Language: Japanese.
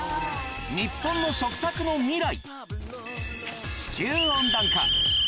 日本の食卓の未来。